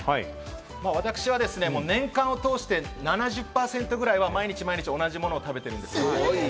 私はですね、年間を通して７０％ぐらいは毎日毎日、同じものを食べているんです。